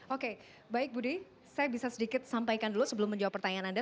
oke baik budi saya bisa sedikit sampaikan dulu sebelum menjawab pertanyaan anda